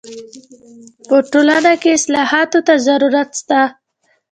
په ټولنه کي اصلاحاتو ته ضرورت سته.